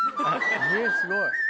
えすごい。